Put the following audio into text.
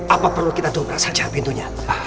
apa perlu kita dokrak saja pintunya